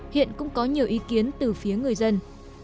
hiện cũng có nhiều ý kiến từ phía người dân